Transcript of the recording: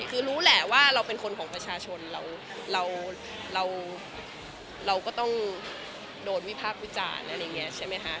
คือรู้แหละว่าเราเป็นคนของประชาชนเราก็ต้องโดนวิพากษ์วิจารณ์อะไรอย่างนี้ใช่ไหมคะ